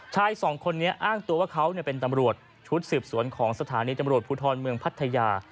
ชายสองคนนี้อ้างตัวว่าเขาเป็นตำรวจชุดสืบสวนของสถานีตำรวจภูทรเมืองพัทยา